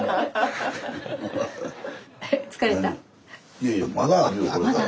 いやいやまだあるよこれから。